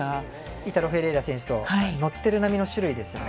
イタロ・フェレイラ選手と乗ってる波の種類ですよね。